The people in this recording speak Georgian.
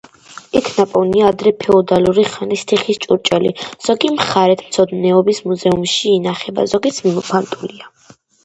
იქ ნაპოვნია ადრე ფეოდალური ხანის თიხის ჭურჭელი, ზოგი მხარეთმცოდნეობის მუზეუმში ინახება, ზოგიც მიმოფანტულია.